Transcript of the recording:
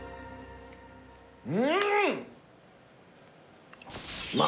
うん！